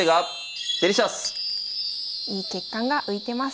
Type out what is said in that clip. いい血管が浮いてます。